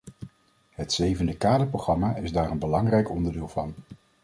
Het zevende kaderprogramma is daar een belangrijk onderdeel van.